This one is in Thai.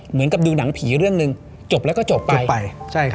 เหมือนกับดูหนังผีเรื่องหนึ่งจบแล้วก็จบไป